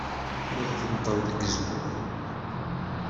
Tura tenṭel deg Zemmuren.